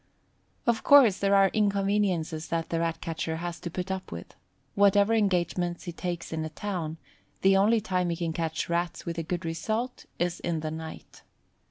Of course there are inconveniences that the Rat catcher has to put up with. Whatever engagements he takes in a town, the only time he can catch Rats with a good result is in the night.